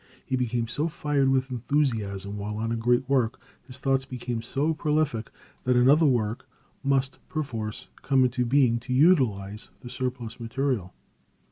He became so fired with enthusiasm while on a great work, his thoughts became so prolific, that another work must, perforce, come into being to utilize the surplus material.